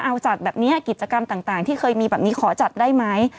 เอาจัดแบบนี้กิจกรรมต่างที่เคยมีแบบนี้ขอจัดได้ไหม